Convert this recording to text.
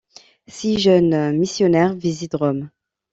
Six jeunes missionnaires visitent Rome.